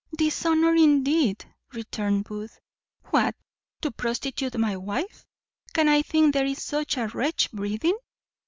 "Dishonour, indeed!" returned Booth. "What! to prostitute my wife! Can I think there is such a wretch breathing?"